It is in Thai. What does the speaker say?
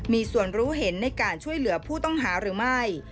มีส่วนรู้เห็นในการช่วยเหลือผู้ต้องหาหรือไม่